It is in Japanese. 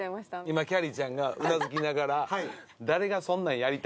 今きゃりーちゃんがうなずきながら。